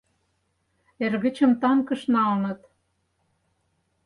— Эргычым танкыш налыныт...